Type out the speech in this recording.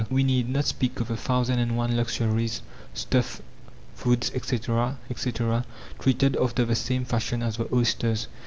We need not speak of the thousand and one luxuries stuffs, foods, etc., etc. treated after the same fashion as the oysters.